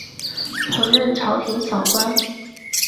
曾任朝廷小官。